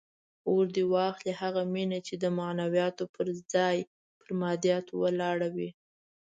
اور دې واخلي هغه مینه چې د معنویاتو پر ځای پر مادیاتو ولاړه وي.